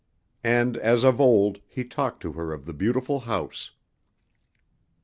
And as of old he talked to her of the beautiful house.